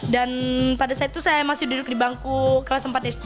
dan pada saat itu saya masih duduk di bangku kelas empat sd